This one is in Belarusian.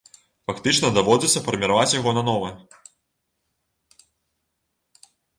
Фактычна даводзіцца фарміраваць яго нанова.